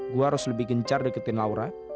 gue harus lebih gencar deketin laura